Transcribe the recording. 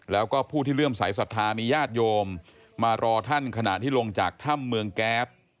แล้วก็ผู้ที่เลื่อมสายศรัทธามีญาติโยมมารอท่านขณะที่ลงจากถ้ำเมืองแก๊ส